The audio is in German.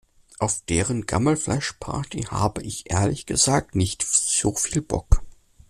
Auf deren Gammelfleischparty habe ich ehrlich gesagt nicht so viel Bock.